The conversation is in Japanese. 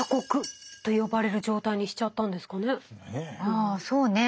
ああそうね。